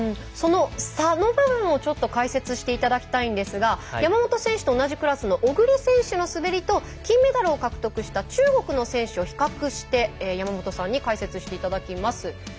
その差の部分をちょっと解説していただきたいんですが山本選手と同じクラスの小栗選手の滑りと金メダルを獲得した中国の選手を比較して山本さんに解説していただきます。